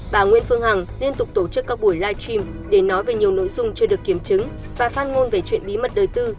bà nguyễn phương hằng liên tục tổ chức các buổi live stream để nói về nhiều nội dung chưa được kiểm chứng và phát ngôn về chuyện bí mật đời tư